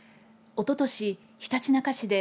おととし、ひたちなか市で